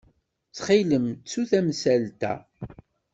Ttxil-m, ttu tamsalt-a.